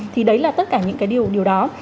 thì đấy là tất cả những cái điều đó